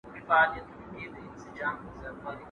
¬ خپل به دي وژړوي، غليم به دي وخندوي.